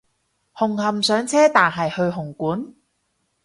紅磡上車但係去紅館？